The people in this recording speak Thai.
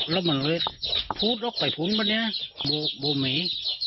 แล้วมันเลยพูดออกไปฝุ่นป่ะเนี่ยบ่มี